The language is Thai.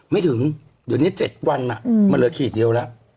ไม่ถึงเดี๋ยวนี้๗วันมันเหลือขีดเดียวแล้ว